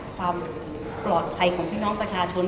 ความปลอดภัยของพี่น้องประชาชน